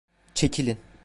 Çekilin.